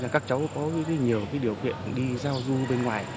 các cháu có nhiều điều kiện đi giao ru bên ngoài